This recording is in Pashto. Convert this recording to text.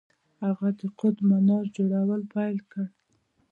هغه د قطب منار جوړول پیل کړل.